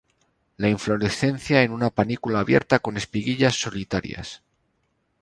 La inflorescencia en una panícula abierta con espiguillas solitarias.